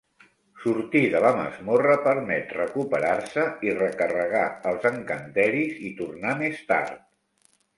Sortir de la masmorra permet recuperar-se i recarregar els encanteris i tornar més tard.